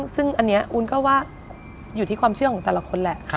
ซึ่งอันนี้อุ้นก็ว่าอยู่ที่ความเชื่อของแต่ละคนแหละ